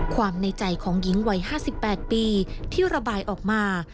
ในใจของหญิงวัย๕๘ปีที่ระบายออกมา